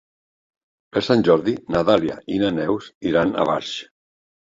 Per Sant Jordi na Dàlia i na Neus iran a Barx.